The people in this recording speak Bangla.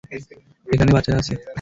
এখানে বাচ্চারা আছে।